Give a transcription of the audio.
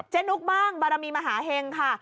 นุกบ้างบารมีมหาเห็งค่ะ